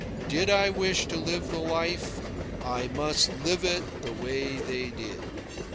Did I wish to live the life, I must live it the way they did.